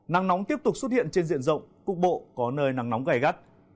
nắng nóng tiếp tục xuất hiện trên diện rộng cục bộ có nơi nắng nóng gai gắt